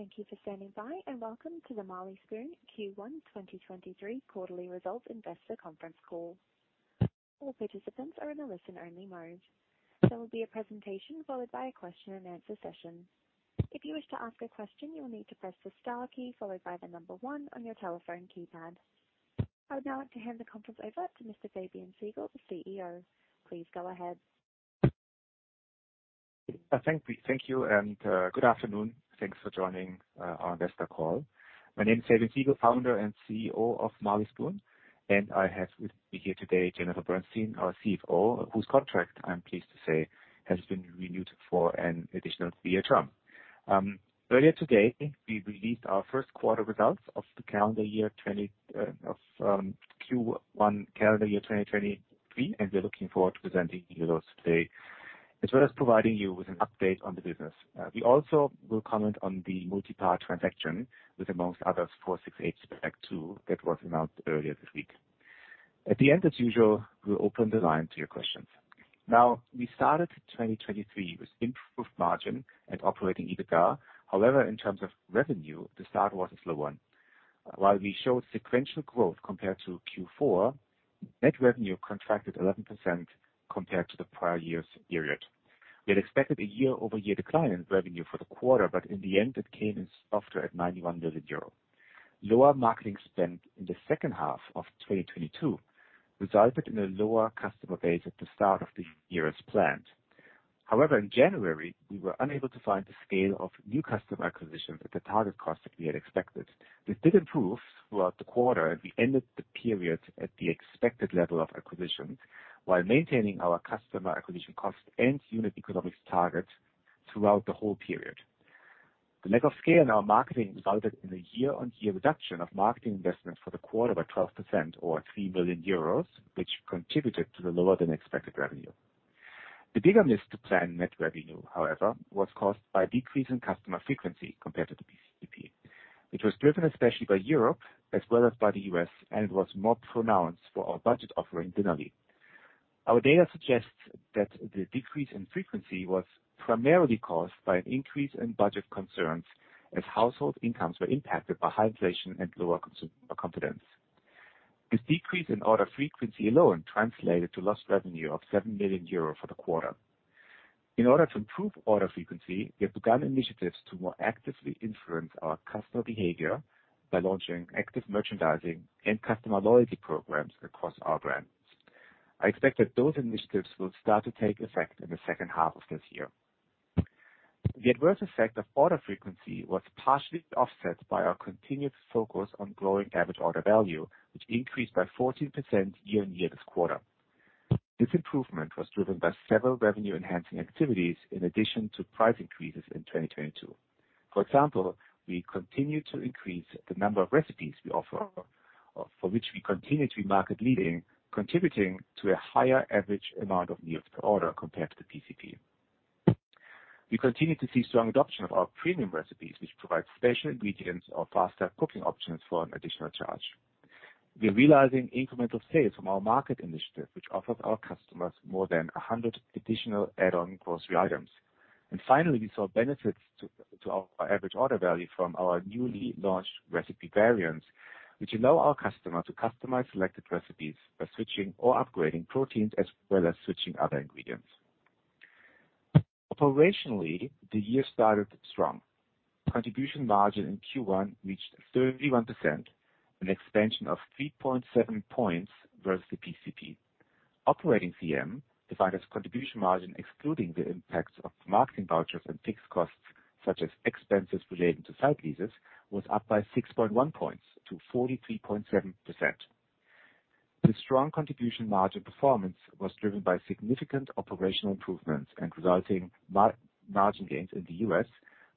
Thank you for standing by, welcome to the Marley Spoon Q1 2023 quarterly results investor conference call. All participants are in a listen only mode. There will be a presentation followed by a question-and-answer session. If you wish to ask a question, you will need to press the star key followed by the one on your telephone keypad. I would now like to hand the conference over to Mr. Fabian Siegel, the CEO. Please go ahead. Thank you, good afternoon. Thanks for joining our investor call. My name is Fabian Siegel, founder and CEO of Marley Spoon. I have with me here today Jennifer Bernstein, our CFO, whose contract I'm pleased to say has been renewed for an additional three-year term. Earlier today, we released our first quarter results of the calendar year Q1 calendar year 2023. We're looking forward to presenting you those today, as well as providing you with an update on the business. We also will comment on the multipart transaction with, amongst others, 468 SPAC II that was announced earlier this week. At the end, as usual, we'll open the line to your questions. We started 2023 with improved margin and Operating EBITDA. However, in terms of revenue, the start was a slow one. While we showed sequential growth compared to Q4, net revenue contracted 11% compared to the prior year's period. We had expected a year-over-year decline in revenue for the quarter, but in the end it came in softer at 91 million euros. Lower marketing spend in the second half of 2022 resulted in a lower customer base at the start of the year as planned. In January, we were unable to find the scale of new customer acquisitions at the target cost that we had expected. This did improve throughout the quarter, and we ended the period at the expected level of acquisitions while maintaining our customer acquisition cost and unit economics targets throughout the whole period. The lack of scale in our marketing resulted in a year-on-year reduction of marketing investments for the quarter by 12% or 3 million euros, which contributed to the lower than expected revenue. The bigger missed plan net revenue, however, was caused by a decrease in customer frequency compared to the PCP. It was driven especially by Europe as well as by the U.S., and it was more pronounced for our budget offering, Dinnerly. Our data suggests that the decrease in frequency was primarily caused by an increase in budget concerns as household incomes were impacted by high inflation and lower consumer confidence. This decrease in order frequency alone translated to lost revenue of 7 million euro for the quarter. In order to improve order frequency, we have begun initiatives to more actively influence our customer behavior by launching active merchandising and customer loyalty programs across our brands. I expect that those initiatives will start to take effect in the second half of this year. The adverse effect of order frequency was partially offset by our continued focus on growing average order value, which increased by 14% year-on-year this quarter. This improvement was driven by several revenue-enhancing activities in addition to price increases in 2022. For example, we continue to increase the number of recipes we offer, for which we continue to be market leading, contributing to a higher average amount of meals per order compared to the PCP. We continue to see strong adoption of our premium recipes, which provide special ingredients or faster cooking options for an additional charge. We are realizing incremental sales from our Market initiatives, which offers our customers more than 100 additional add-on grocery items. Finally, we saw benefits to our average order value from our newly launched recipe variants, which allow our customer to customize selected recipes by switching or upgrading proteins as well as switching other ingredients. Operationally, the year started strong. Contribution margin in Q1 reached 31%, an expansion of 3.7 points versus the PCP. Operating CM, defined as contribution margin excluding the impacts of marketing vouchers and fixed costs such as expenses relating to site leases, was up by 6.1 points to 43.7%. The strong contribution margin performance was driven by significant operational improvements and resulting margin gains in the U.S.,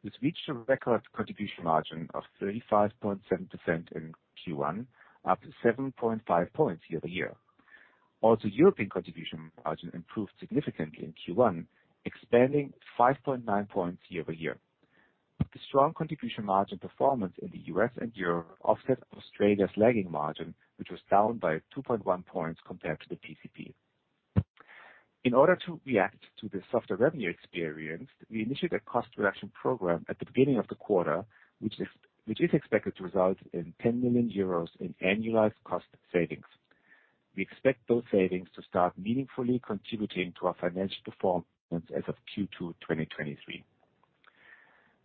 which reached a record contribution margin of 35.7% in Q1, up 7.5 points year-over-year. European contribution margin improved significantly in Q1, expanding 5.9 points year-over-year. The strong contribution margin performance in the U.S. and Europe offset Australia's lagging margin, which was down by 2.1 points compared to the PCP. In order to react to the softer revenue experience, we initiated a cost reduction program at the beginning of the quarter, which is expected to result in 10 million euros in annualized cost savings. We expect those savings to start meaningfully contributing to our financial performance as of Q2 2023.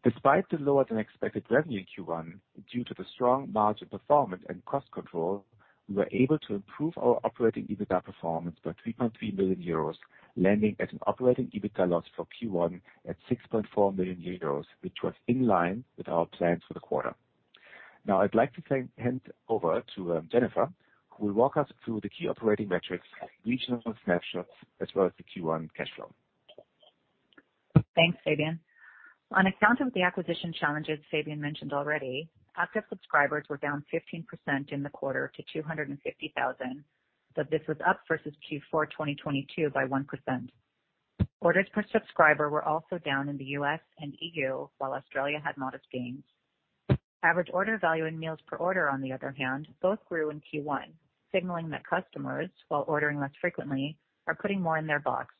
Despite the lower than expected revenue in Q1, due to the strong margin performance and cost control, we were able to improve our Operating EBITDA performance by 3.3 million euros, landing at an Operating EBITDA loss for Q1 at 6.4 million euros, which was in line with our plans for the quarter. Now I'd like to hand over to Jennifer, who will walk us through the key operating metrics, regional snapshots as well as the Q1 cash flow. Thanks, Fabian. On account of the acquisition challenges Fabian mentioned already, Active Subscribers were down 15% in the quarter to 250,000, but this was up versus Q4 2022 by 1%. Orders per subscriber were also down in the U.S. and E.U., while Australia had modest gains. average order value and meals per order, on the other hand, both grew in Q1, signaling that customers, while ordering less frequently, are putting more in their box.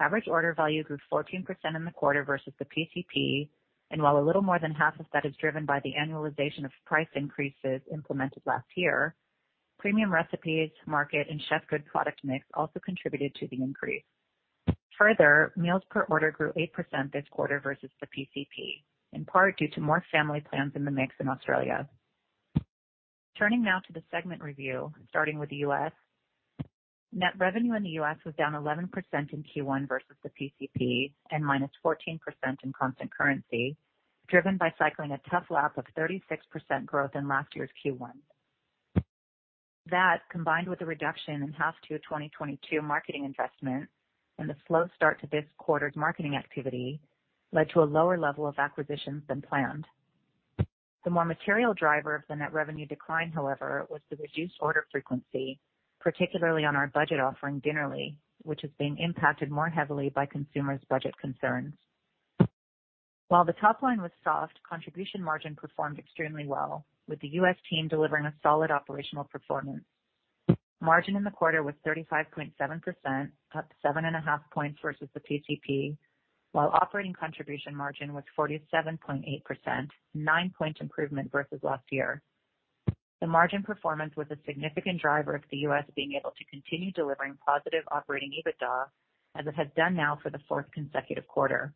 average order value grew 14% in the quarter versus the PCP, and while a little more than half of that is driven by the annualization of price increases implemented last year, Premium recipes, Market and Chefgood product mix also contributed to the increase. Further, meals per order grew 8% this quarter versus the PCP, in part due to more family plans in the mix in Australia. Turning now to the segment review and starting with the U.S. Net revenue in the U.S. was down 11% in Q1 versus the PCP, and minus 14% in constant currency, driven by cycling a tough lap of 36% growth in last year's Q1. That, combined with a reduction in half to 2022 marketing investment and the slow start to this quarter's marketing activity, led to a lower level of acquisitions than planned. The more material driver of the net revenue decline, however, was the reduced order frequency, particularly on our budget offering Dinnerly, which is being impacted more heavily by consumers' budget concerns. The top line was soft, contribution margin performed extremely well, with the U.S. team delivering a solid operational performance. Margin in the quarter was 35.7%, up 7.5 points versus the PCP, while Operating contribution margin was 47.8%, 9-point improvement versus last year. The margin performance was a significant driver of the U.S. being able to continue delivering positive Operating EBITDA as it has done now for the 4th consecutive quarter.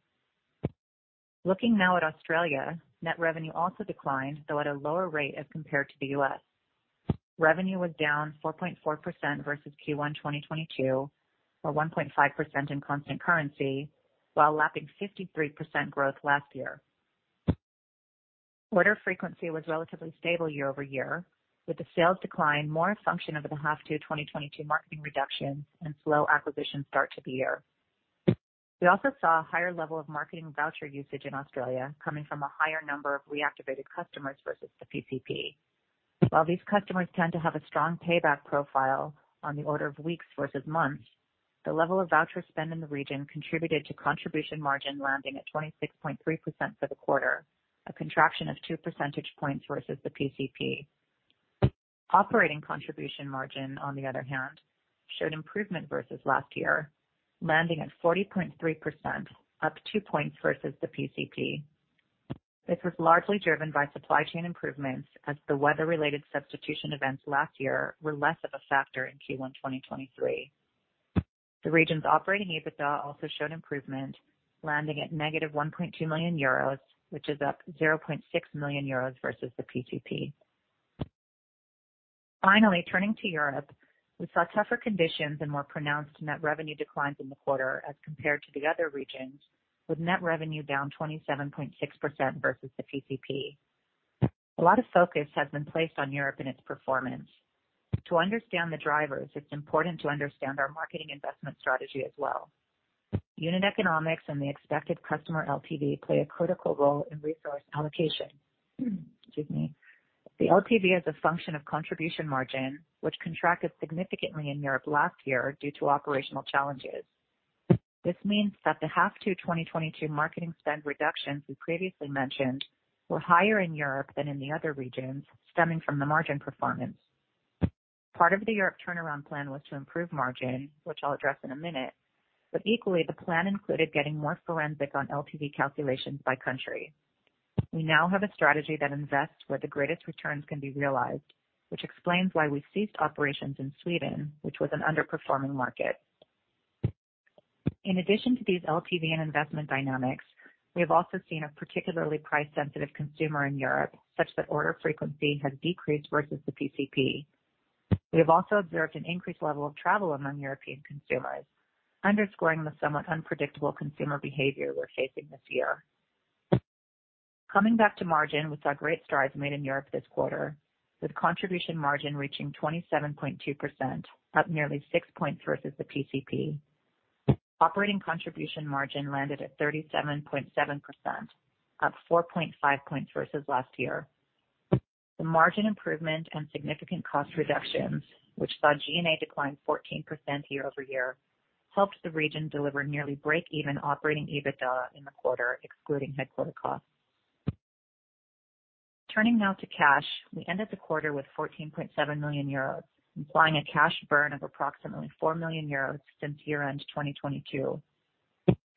Looking now at Australia. Net revenue also declined, though at a lower rate as compared to the U.S. Revenue was down 4.4% versus Q1 2022, or 1.5% in constant currency, while lapping 53% growth last year. Order frequency was relatively stable year-over-year, with the sales decline more a function of the half to 2022 marketing reductions and slow acquisition start to the year. We also saw a higher level of marketing voucher usage in Australia, coming from a higher number of reactivated customers versus the PCP. While these customers tend to have a strong payback profile on the order of weeks versus months, the level of voucher spend in the region contributed to contribution margin landing at 26.3% for the quarter, a contraction of 2 percentage points versus the PCP. Operating Contribution Margin, on the other hand, showed improvement versus last year, landing at 40.3%, up 2 points versus the PCP. This was largely driven by supply chain improvements as the weather-related substitution events last year were less of a factor in Q1 2023. The region's Operating EBITDA also showed improvement, landing at negative 1.2 million euros, which is up 0.6 million euros versus the PCP. Turning to Europe, we saw tougher conditions and more pronounced net revenue declines in the quarter as compared to the other regions, with net revenue down 27.6% versus the PCP. A lot of focus has been placed on Europe and its performance. To understand the drivers, it's important to understand our marketing investment strategy as well. Unit economics and the expected customer LTV play a critical role in resource allocation. Excuse me. The LTV is a function of contribution margin, which contracted significantly in Europe last year due to operational challenges. This means that the half to 2022 marketing spend reductions we previously mentioned were higher in Europe than in the other regions, stemming from the margin performance. Part of the Europe turnaround plan was to improve margin, which I'll address in a minute. Equally, the plan included getting more forensic on LTV calculations by country. We now have a strategy that invests where the greatest returns can be realized, which explains why we ceased operations in Sweden, which was an underperforming market. In addition to these LTV and investment dynamics, we have also seen a particularly price-sensitive consumer in Europe such that order frequency has decreased versus the PCP. We have also observed an increased level of travel among European consumers, underscoring the somewhat unpredictable consumer behavior we're facing this year. Coming back to margin, we saw great strides made in Europe this quarter, with contribution margin reaching 27.2%, up nearly 6 points versus the PCP. Operating contribution margin landed at 37.7%, up 4.5 points versus last year. The margin improvement and significant cost reductions, which saw G&A decline 14% year-over-year, helped the region deliver nearly break-even Operating EBITDA in the quarter, excluding headquarter costs. Turning now to cash. We ended the quarter with 14.7 million euros, implying a cash burn of approximately 4 million euros since year-end 2022.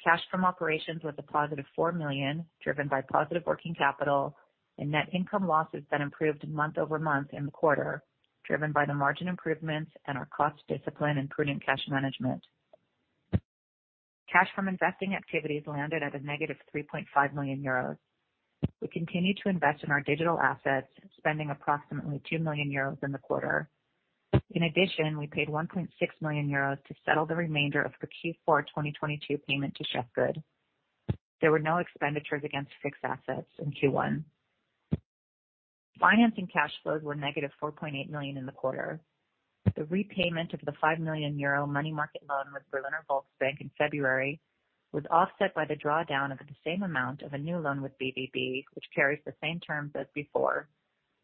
Cash from operations was a positive 4 million, driven by positive working capital and net income losses that improved month-over-month in the quarter, driven by the margin improvements and our cost discipline and prudent cash management. Cash from investing activities landed at a negative 3.5 million euros. We continue to invest in our digital assets, spending approximately 2 million euros in the quarter. We paid 1.6 million euros to settle the remainder of the Q4 2022 payment to Chefgood. There were no expenditures against fixed assets in Q1. Financing cash flows were negative 4.8 million in the quarter. The repayment of the 5 million euro money market loan with Berliner Volksbank in February was offset by the drawdown of the same amount of a new loan with BVB, which carries the same terms as before.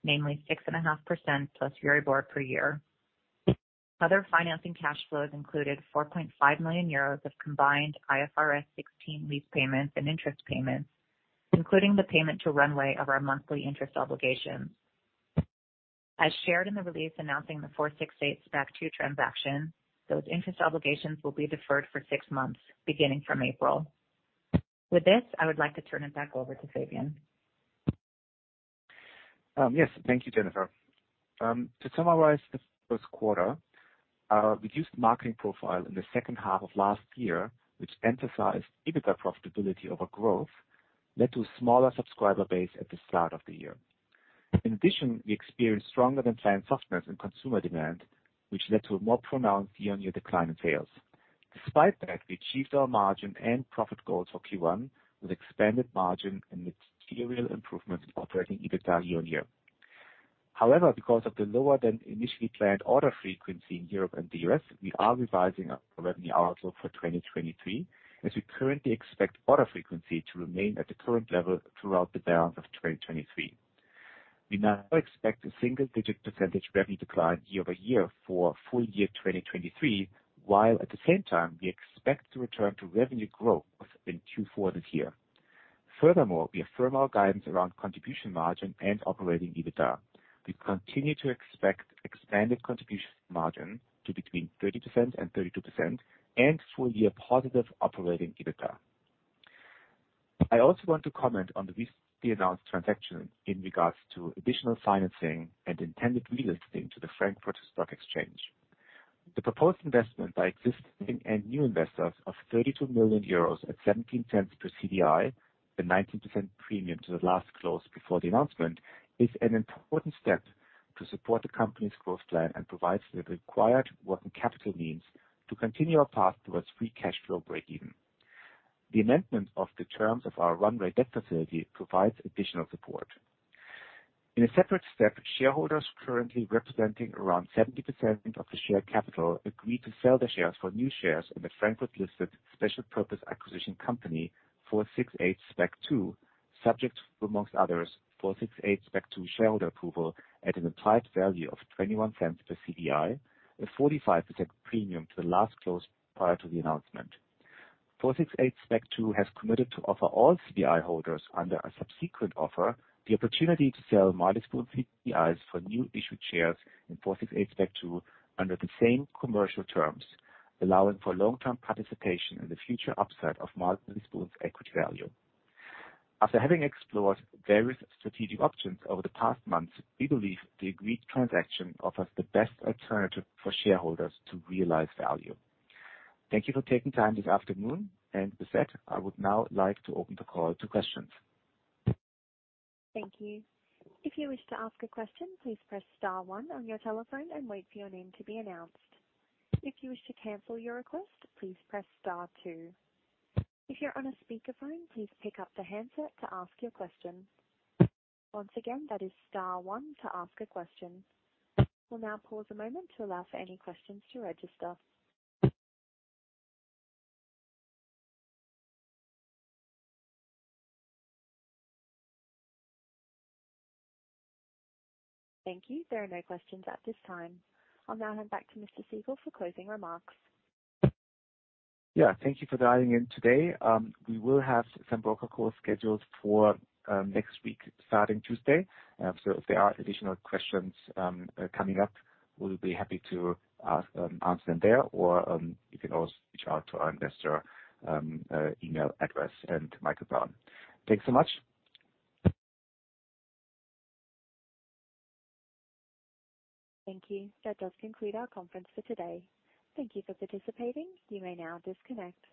Mainly 6.5% plus Euribor per year. Other financing cash flows included 45 million euros of combined IFRS 16 lease payments and interest payments, including the payment to Runway of our monthly interest obligations. As shared in the release announcing the 468 SPAC II transaction, those interest obligations will be deferred for six months beginning from April. With this, I would like to turn it back over to Fabian. Yes. Thank you, Jennifer. To summarize the first quarter, we used marketing profile in the second half of last year, which emphasized EBITDA profitability over growth led to a smaller subscriber base at the start of the year. In addition, we experienced stronger than planned softness in consumer demand, which led to a more pronounced year-on-year decline in sales. Despite that, we achieved our margin and profit goals for Q1 with expanded margin amidst material improvements in Operating EBITDA year-on-year. However, because of the lower than initially planned order frequency in Europe and the U.S., we are revising our revenue outlook for 2023, as we currently expect order frequency to remain at the current level throughout the balance of 2023. We now expect a single-digit percent revenue decline year-over-year for full year 2023, while at the same time, we expect to return to revenue growth in two for this year. We affirm our guidance around contribution margin and Operating EBITDA. We continue to expect expanded contribution margin to between 30% and 32% and full year positive Operating EBITDA. I also want to comment on the recently announced transaction in regards to additional financing and intended relisting to the Frankfurt Stock Exchange. The proposed investment by existing and new investors of 32 million euros at 0.17 per CDI, a 19% premium to the last close before the announcement, is an important step to support the company's growth plan and provides the required working capital means to continue our path towards free cash flow break-even. The amendment of the terms of our Runway debt facility provides additional support. In a separate step, shareholders currently representing around 70% of the share capital agreed to sell the shares for new shares in the Frankfurt-listed special purpose acquisition company, 468 SPAC II, subject to among others, 468 SPAC II shareholder approval at an implied value of 0.21 per CDI, a 45% premium to the last close prior to the announcement. 468 SPAC II has committed to offer all CDI holders under a subsequent offer the opportunity to sell Marley Spoon CDIs for new issued shares in 468 SPAC II under the same commercial terms, allowing for long-term participation in the future upside of Marley Spoon's equity value. After having explored various strategic options over the past months, we believe the agreed transaction offers the best alternative for shareholders to realize value. Thank you for taking time this afternoon. With that, I would now like to open the call to questions. Thank you. If you wish to ask a question, please press star one on your telephone and wait for your name to be announced. If you wish to cancel your request, please press star two. If you're on a speakerphone, please pick up the handset to ask your question. Once again, that is star one to ask a question. We'll now pause a moment to allow for any questions to register. Thank you. There are no questions at this time. I'll now hand back to Mr. Siegel for closing remarks. Yeah, thank you for dialing in today. We will have some broker calls scheduled for next week starting Tuesday. If there are additional questions coming up, we'll be happy to answer them there or you can always reach out to our investor email address and Michael Brown. Thanks so much. Thank you. That does conclude our conference for today. Thank you for participating. You may now disconnect.